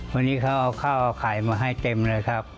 วันนี้เขาเอาข้าวเอาไข่มาให้เต็มเลยครับ